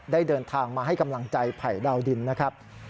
เดินทางมาให้กำลังใจไผ่ดาวดินนะครับ